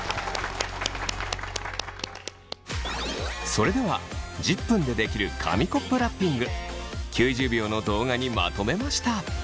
それでは１０分で出来る紙コップラッピング９０秒の動画にまとめました。